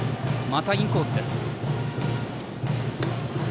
またインコースです。